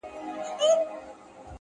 • د ُملا په څېر به ژاړو له اسمانه ,